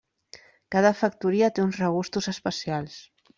Cada factoria té uns regustos especials.